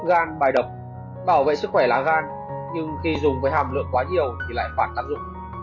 giúp gan bài độc bảo vệ sức khỏe lá gan nhưng khi dùng với hàm lượng quá nhiều thì lại phản tác dụng